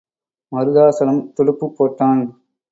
மருதாசலம் துடுப்புப் போட்டான்.